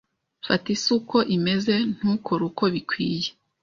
Fata isi uko imeze, ntukore uko bikwiye.